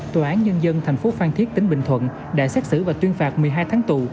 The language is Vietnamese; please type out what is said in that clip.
tòa án nhân dân thành phố phan thiết tỉnh bình thuận đã xét xử và tuyên phạt một mươi hai tháng tù